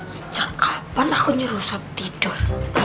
sejak kapan aku nyuruh ustadz tidur